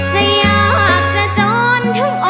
จะอยากจะจ้อนทุกคน